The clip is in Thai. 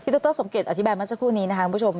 พี่ดรสมเกตอธิบายมาเจ้าคู่นี้นะครับคุณผู้ชม